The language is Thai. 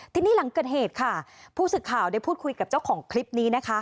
ทีนี้หลังเกิดเหตุค่ะผู้สื่อข่าวได้พูดคุยกับเจ้าของคลิปนี้นะคะ